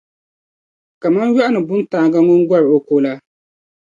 kaman yɔɣuni buntaaŋa ŋun gɔr’ o ko la.